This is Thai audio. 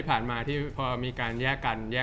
จากความไม่เข้าจันทร์ของผู้ใหญ่ของพ่อกับแม่